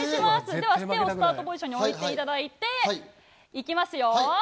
では手をスタートポジションに置いていただいて、いきますよ。